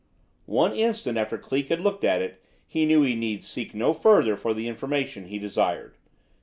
One instant after Cleek had looked at it he knew he need seek no further for the information he desired.